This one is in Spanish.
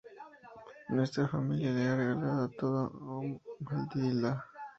Nuestra familia le ha regalado todo a Matilda.